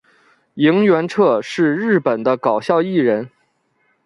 萤原彻是日本的搞笑艺人。